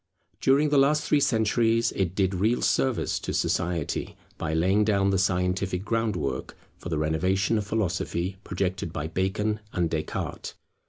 During the last three centuries it did real service to society, by laying down the scientific groundwork for the renovation of Philosophy projected by Bacon and Descartes.